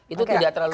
itu tidak terlalu